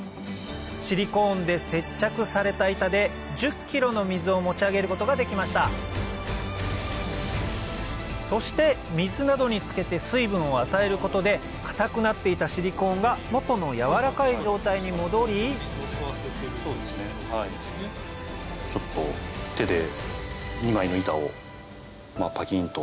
シリコーンで接着された板で１０ｋｇの水を持ち上げることができましたそして水などにつけて水分を与えることで硬くなっていたシリコーンが元のやわらかい状態に戻りちょっと手で２枚の板をパキンと。